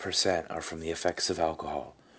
is that 90 per cent, are from the effects of alcohol. .